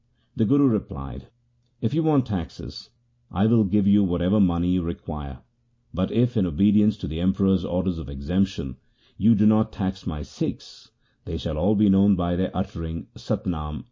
The Guru replied, If you want taxes, I will give you whatever money you require ; bat if, in obedience to the Emperor's order of exemption, you do not tax my Sikhs, they shall all be known by their uttering " Sat Nam